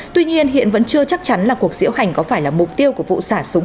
tuy nhiên hiện vẫn chưa chắc chắn là cuộc diễu hành có phải là mục tiêu của vụ xả súng